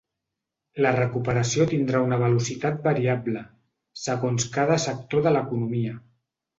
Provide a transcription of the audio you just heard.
La recuperació tindrà una velocitat variable, segons cada sector de l’economia.